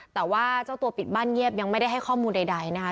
แต่ว่าเจ้าตัวปิดบ้านเงียบยังไม่ได้ให้ข้อมูลใดนะคะ